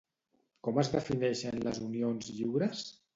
Com es defineixen les unions lliures?